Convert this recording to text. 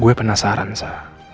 gue penasaran sa